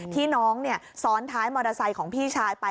ที่น้องซ้อนท้ายมอเตอร์ไซค์ของพี่ชายไป